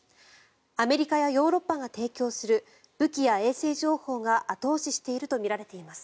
アメリカやヨーロッパが提供する武器や衛星情報が後押ししているとみられています。